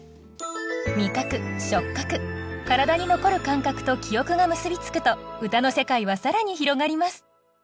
味覚触覚体に残る感覚と記憶が結びつくと歌の世界は更に広がります